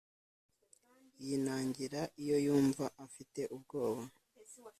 Yinangira iyo yumva afite ubwoba